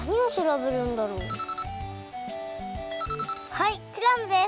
はいクラムです！